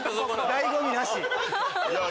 醍醐味なし。